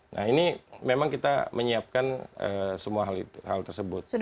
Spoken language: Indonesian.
nah ini memang kita menyiapkan semua hal tersebut